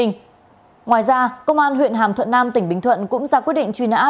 ngoài ra công an huyện hàm thuận nam tỉnh bình thuận cũng ra quyết định truy nã